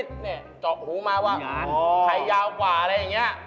เจาะหูมาว่าไขยาวกว่าอะไรแบบนี้